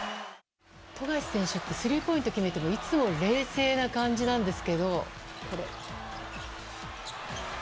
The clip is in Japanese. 富樫選手って、スリーポイント決めてもいつも冷静な感じなんですけど、これ。